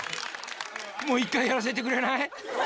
もう１回やらせてくれない？